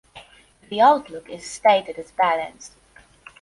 The outlook is stated as balanced.